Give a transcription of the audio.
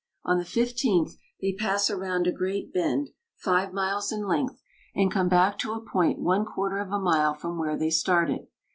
On the 15th they pass around a great bend, five miles in length, and come back to a point one quarter of a mile from where they started.